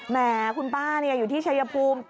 แหมคุณป้าอยู่ที่ชายภูมิ